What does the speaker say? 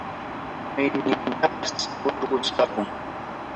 Maynintapas urqusaqun.